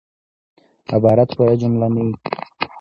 عبارت پوره جمله نه يي.